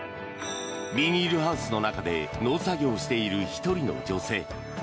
ビニールハウスの中で農作業をしている１人の女性。